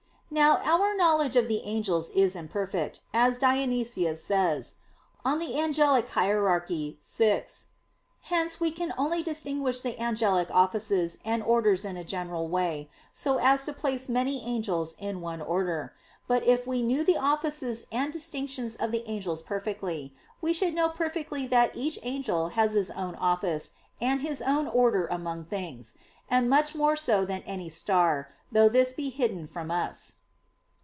Now our knowledge of the angels is imperfect, as Dionysius says (Coel. Hier. vi). Hence we can only distinguish the angelic offices and orders in a general way, so as to place many angels in one order. But if we knew the offices and distinctions of the angels perfectly, we should know perfectly that each angel has his own office and his own order among things, and much more so than any star, though this be hidden from us.